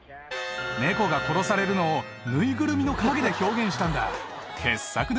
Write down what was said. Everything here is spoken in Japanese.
猫が殺されるのをぬいぐるみの影で表現したんだ。